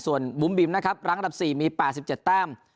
ส่วนบุ๋มบิมนะครับรั้งอันดับ๔มี๘๗แต้ม